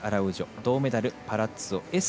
銅メダル、パラッツォ。